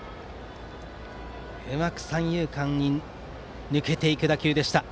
うまく三遊間に抜けていく打球でした。